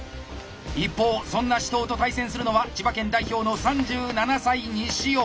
一方そんな紫桃と対戦するのは千葉県代表の３７歳西尾。